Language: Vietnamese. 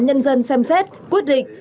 nhân dân xem xét quyết định